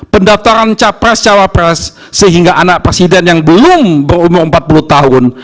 pendaftaran capres cawapres sehingga anak presiden yang belum berumur empat puluh tahun